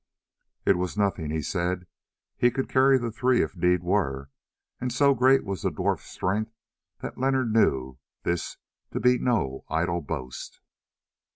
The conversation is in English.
"It was nothing," he said, "he could carry the three if need were;" and so great was the dwarf's strength that Leonard knew this to be no idle boast.